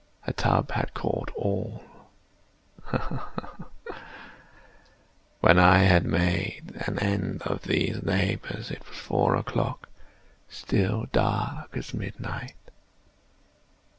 A tub had caught all—ha! ha! When I had made an end of these labors, it was four o'clock—still dark as midnight.